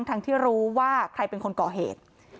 ทั้งที่รู้ว่าใครเป็นคนก่อเหตุ